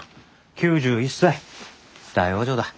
９１歳大往生だ。